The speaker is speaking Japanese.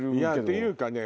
っていうかね